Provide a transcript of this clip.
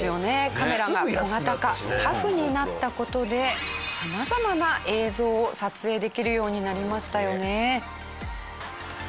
カメラが小型化・タフになった事で様々な映像を撮影できるようになりましたよね。